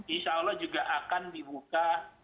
insya allah juga akan dibuka